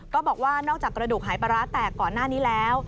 ก็บอกว่านอกจากกระดูกหายปลาร้าแตกก่อนหน้านี้แล้ว